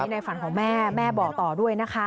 ในฝันของแม่แม่บอกต่อด้วยนะคะ